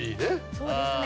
そうですね。